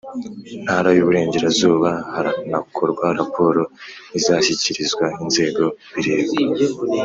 Ntara y Uburengerazuba hanakorwa raporo izashyikirizwa inzego bireba